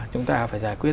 chúng ta phải giải quyết